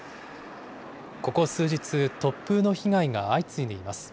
ここ数日、突風の被害が相次いでいます。